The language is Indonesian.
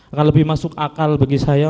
akan lebih masuk akal bagi saya